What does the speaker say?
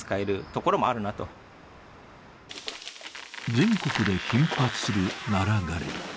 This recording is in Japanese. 全国で頻発するナラ枯れ。